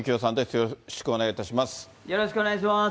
よろしくお願いします。